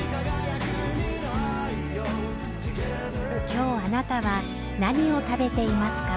今日あなたは何を食べていますか？